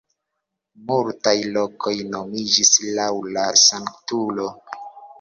Multaj lokoj nomiĝis laŭ la sanktulo.